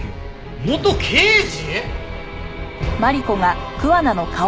元刑事！？